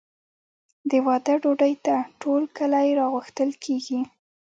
د واده ډوډۍ ته ټول کلی راغوښتل کیږي.